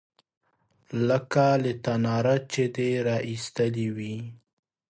_لکه له تناره چې دې را ايستلې وي.